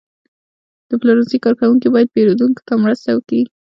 د پلورنځي کارکوونکي باید پیرودونکو ته مرسته وکړي.